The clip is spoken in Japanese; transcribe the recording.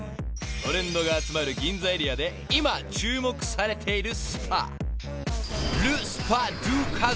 ［トレンドが集まる銀座エリアで今注目されているスパ］